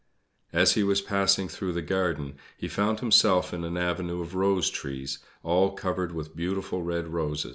As he was passing through the garden he found himself in an avenue of rose trees, all covered with beautiful red roses.